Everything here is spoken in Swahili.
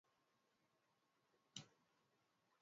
ulimwenguni Wengi wao kwa muda mrefu wamekuwa wakiishi Asia